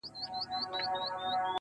ژوند چي د عقل په ښکلا باندې راوښويدی,